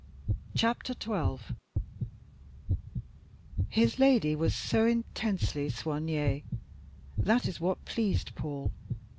CHAPTER XII His lady was so intensely soignée that is what pleased Paul.